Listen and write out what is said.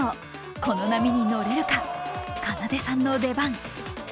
この波にのれるか、奏さんの出番。